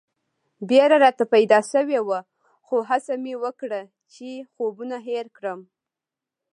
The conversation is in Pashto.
بېره راته پیدا شوې وه خو هڅه مې وکړه چې خوبونه هېر کړم.